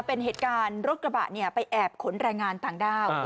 เป็นเหตุการณ์รถกระบะไปแอบขนแรงงานต่างด้าว